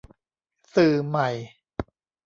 สื่อใหม่